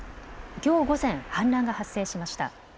きょう午前、氾濫が発生しました。